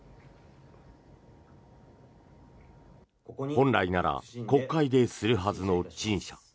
本来なら国会でするはずの陳謝。